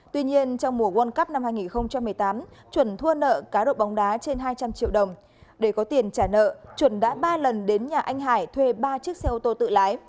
tuy nhiên trong mùa world cup năm hai nghìn một mươi tám chuẩn thua nợ cá độ bóng đá trên hai trăm linh triệu đồng để có tiền trả nợ chuẩn đã ba lần đến nhà anh hải thuê ba chiếc xe ô tô tự lái